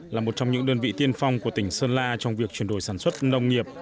là một trong những đơn vị tiên phong của tỉnh sơn la trong việc chuyển đổi sản xuất nông nghiệp